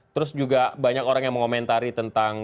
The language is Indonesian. terus juga banyak orang yang mengomentari tentang